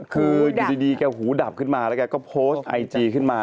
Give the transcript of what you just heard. คืออยู่ดีแกหูดับขึ้นมาแล้วแกก็โพสต์ไอจีขึ้นมา